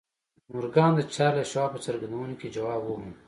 مورګان د چارلیس شواب په څرګندونو کې ځواب وموند